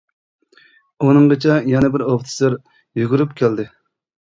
ئۇنىڭغىچە يەنە بىر ئوفىتسېر يۈگۈرۈپ كەلدى.